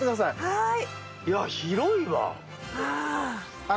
はい。